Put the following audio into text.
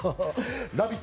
「ラヴィット！」